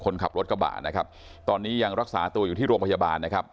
คนขับรถกระบะนะครับตอนนี้ยังรักษาตัวอยู่ที่โรงพยาบาลนะครับ